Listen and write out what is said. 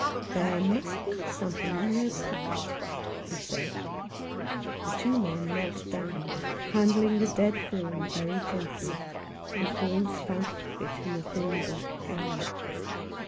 "There may be something in her pocket," he said. The two men knelt down, handling the dead form very gently, and Faunce found a pocket in the thin black gown.